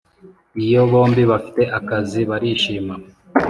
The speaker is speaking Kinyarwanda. iyo bombi bafite akazi barishima